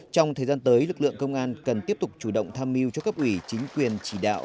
trong thời gian tới lực lượng công an cần tiếp tục chủ động tham mưu cho cấp ủy chính quyền chỉ đạo